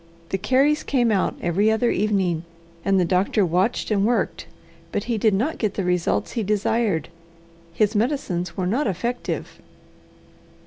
The Careys came out every other evening and the doctor watched and worked, but he did not get the results he desired. His medicines were not effective.